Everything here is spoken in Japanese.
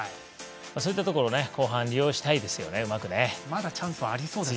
そういったところを後半、利用したいですよね。